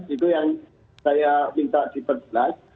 itu yang saya minta diperjelas